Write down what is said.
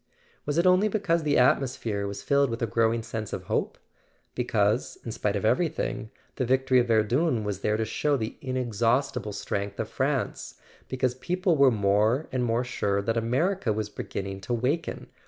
Was it only be¬ cause the atmosphere was filled with a growing sense of hope? Because, in spite of everything, the victory of Verdun was there to show the inexhaustible strength of France, because people were more and more sure that America was beginning to waken